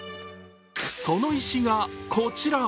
その石がこちら。